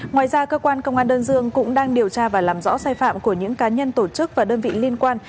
ngoài ra cơ quan công an đơn dương cũng đang điều tra và làm rõ sai phạm của những cá nhân tổ chức và đơn vị liên quan